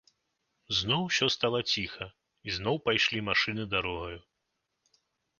Зноў усё стала ціха, і зноў пайшлі машыны дарогаю.